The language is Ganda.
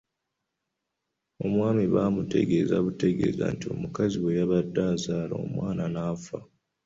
Omwami baamutegeezanga butegeeza nti omukazi bwe yabadde azaala omwana n’afa.